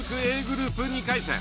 Ａグループ２回戦。